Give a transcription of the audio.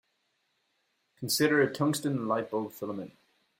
Consider a tungsten light-bulb filament.